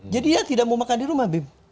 jadi dia tidak mau makan di rumah habib